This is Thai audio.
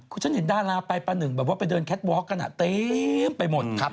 คุณฉันเห็นดาราไปประหนึ่งแบบว่าไปเดินแคทวอล์กันเต็มไปหมด